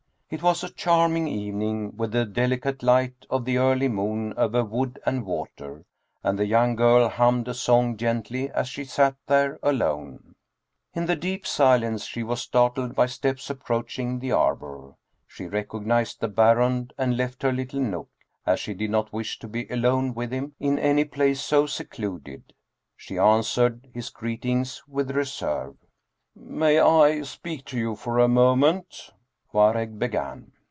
It was a charming evening, with the delicate light of the early moon over wood and water, and the young girl hummed a song gently as she sat there alone. In the deep silence she was startled by steps approach 23 German Mystery Stories ing the arbor. She recognized the Baron and left her little nook, as she did not wish to be alone with him in any place so secluded. She answered his greetings with reserve. " May I speak to you for a moment ?" Waregg began.